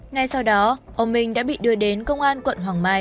ngay sau đó ông minh đã bị đưa đến công an quận hoàng mai